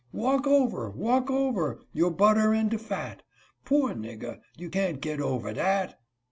Walk over! walk over! Your butter and de fat ; Poor nigger, you can't get over dat!